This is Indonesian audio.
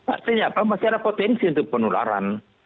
artinya apa masih ada potensi untuk penularan